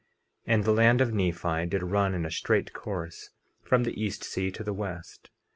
50:8 And the land of Nephi did run in a straight course from the east sea to the west.